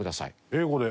英語で。